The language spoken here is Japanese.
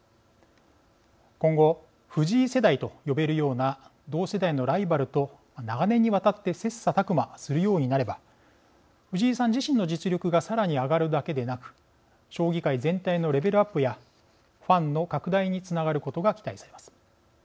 今後藤井世代と呼べるような同世代のライバルと長年にわたって切磋琢磨するようになれば藤井さん自身の実力がさらに上がるだけでなく将棋界全体のレベルアップやファンの拡大につながることが期待されます。